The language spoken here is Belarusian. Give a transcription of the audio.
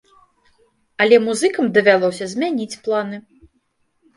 Але музыкам давялося змяніць планы.